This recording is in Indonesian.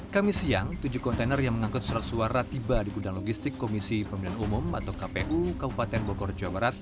kami siang tujuh kontainer yang mengangkut surat suara tiba di gudang logistik komisi pemilihan umum atau kpu kabupaten bogor jawa barat